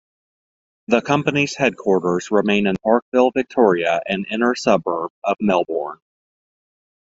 The company's headquarters remain in Parkville, Victoria, an inner suburb of Melbourne.